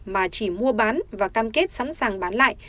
mà chỉ mua bán và cam kết sẵn sàng bán lại